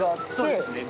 そうですね。